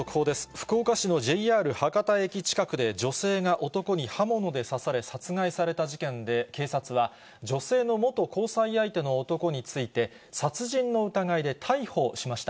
福岡市のＪＲ博多駅近くで、女性が男に刃物で刺され殺害された事件で、警察は女性の元交際相手の男について、殺人の疑いで逮捕しました。